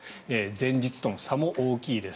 前日との差も大きいです。